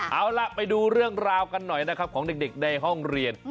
เอาล่ะไปดูเรื่องราวกันหน่อยนะครับของเด็กในห้องเรียน